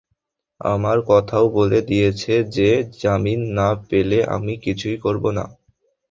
আমার কথাও বলে দিয়েছি যে, জামিন না পেলে আমি কিছুই করব না।